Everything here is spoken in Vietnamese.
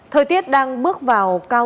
thời tiết đang bước vào cao